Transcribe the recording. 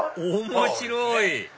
面白い！